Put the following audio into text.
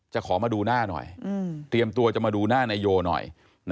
ขอมาดูหน้าหน่อยเตรียมตัวจะมาดูหน้านายโยหน่อย